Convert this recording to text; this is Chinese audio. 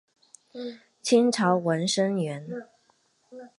清朝文生员。